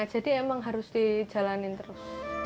jadi emang harus di jalanin terus